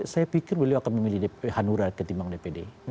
saya pikir beliau akan memilih hanura ketimbang dpd